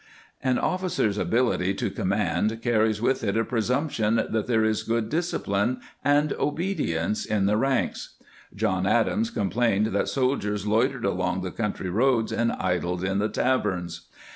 An officer's ability to command carries with it a presumption that there is good discipline and obedience in the ranks. John Adams complained that soldiers loitered along the country roads and idled in the taverns.